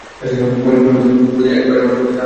কুমারীর পতিনির্বাচনে একবার মাত্র অধিকার আছে।